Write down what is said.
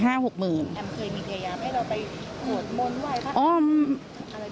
แอมเคยมีพยายามให้เราไปสวดมนต์ด้วยคะ